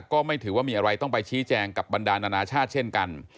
ก็ไม่ถือว่ามีอะไรต้องไปชี้แจงกับบรรดานานาชาติเช่นกัน